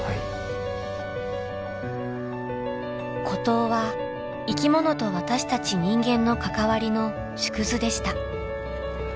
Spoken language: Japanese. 孤島は生き物と私たち人間の関わりの縮図でした。